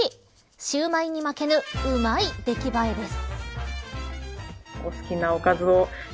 シウマイに負けぬウマイ出来栄えです。